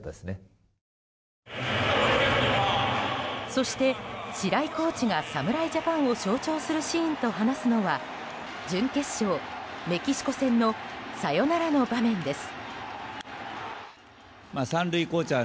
そして、白井コーチが侍ジャパンを象徴するシーンと話すのは準決勝メキシコ戦のサヨナラの場面です。